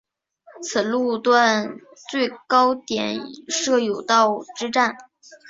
此路段最高点设有道之站。